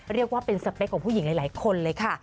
เรียกว่าเป็นสเปคของผู้หญิงหลายคนเลยค่ะ